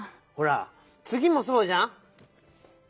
ほらつぎもそうじゃん。